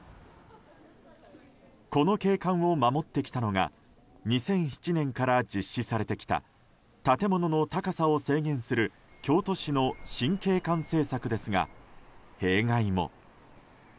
この景観を守ってきたのが２００７年から実施されてきた建物の高さを制限する京都市の新景観政策ですが弊害も。